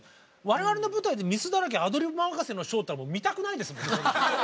我々の舞台で「ミスだらけアドリブ任せのＳｈｏｗ」っていったらもう見たくないですもんね。